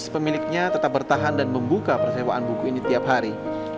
pemiliknya tetap bertahan dan membuka persewaan buku ini tiap hari